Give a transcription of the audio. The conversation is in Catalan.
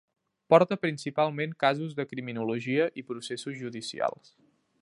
Porta principalment casos de criminologia i processos judicials.